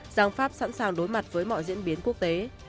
rằng pháp sẵn sàng đối mặt với mọi diễn biến quốc tế